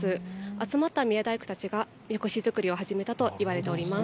集まった宮大工たちが神輿づくりを始めたといわれております。